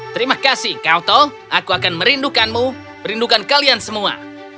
terima kasih kautol aku akan merindukanmu merindukan kalian semua